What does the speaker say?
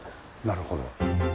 なるほど。